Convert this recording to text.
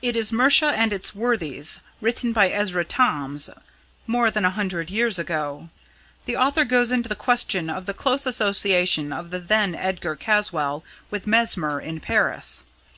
It is Mercia and its Worthies, written by Ezra Toms more than a hundred years ago. The author goes into the question of the close association of the then Edgar Caswall with Mesmer in Paris.